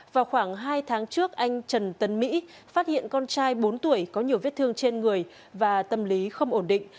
vào khoảng hai tháng trước anh trần tấn mỹ phát hiện con trai bốn tuổi có nhiều vết thương trên người và tâm lý không ổn định